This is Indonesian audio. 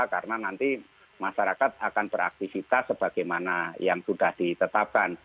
karena nanti masyarakat akan beraktifitas sebagaimana yang sudah ditetapkan